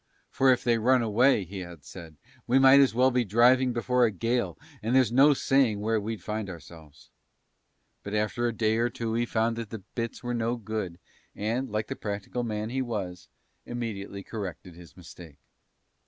"For if they run away," he had said, "we might as well be driving before a gale and there's no saying where we'd find ourselves," but after a day or two he found that the bits were no good and, like the practical man he was, immediately corrected his mistake.